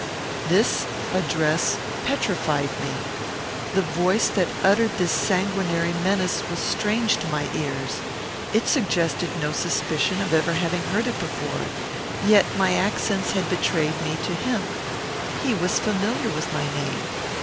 This address petrified me. The voice that uttered this sanguinary menace was strange to my ears. It suggested no suspicion of ever having heard it before. Yet my accents had betrayed me to him. He was familiar with my name.